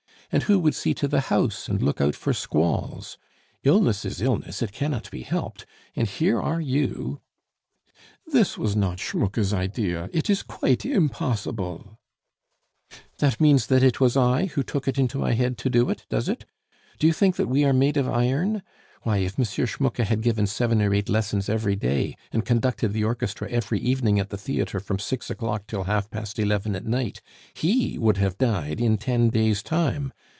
And who would see to the house and look out for squalls! Illness is illness, it cannot be helped, and here are you " "This was not Schmucke's idea, it is quite impossible " "That means that it was I who took it into my head to do it, does it? Do you think that we are made of iron? Why, if M. Schmucke had given seven or eight lessons every day and conducted the orchestra every evening at the theatre from six o'clock till half past eleven at night, he would have died in ten days' time.